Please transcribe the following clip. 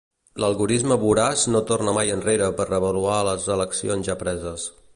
L'algorisme voraç no torna mai enrere per reavaluar les eleccions ja preses.